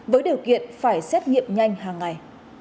với điều kiện phải xét nghiệm nhanh hàng ngày